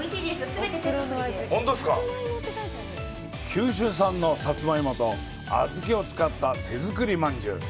九州産のサツマイモと小豆を使った手作りまんじゅう。